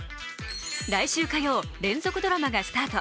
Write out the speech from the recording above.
来週火曜、連続ドラマがスタート